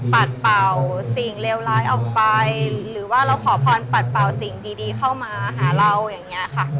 เป่าสิ่งเลวร้ายออกไปหรือว่าเราขอพรปัดเป่าสิ่งดีเข้ามาหาเราอย่างนี้ค่ะ